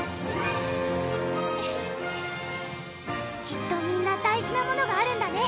きっとみんな大事なものがあるんだね